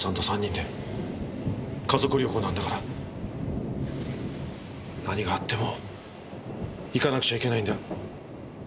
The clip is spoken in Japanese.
家族旅行なんだから。何があっても行かなくちゃいけないんだ。